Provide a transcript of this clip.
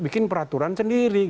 bikin peraturan sendiri